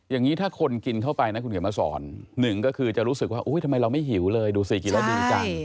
อย่างนี้ถ้าคนกินเข้าไปนะคุณเขียนมาสอนหนึ่งก็คือจะรู้สึกว่าทำไมเราไม่หิวเลยดูสิกินแล้วดีจัง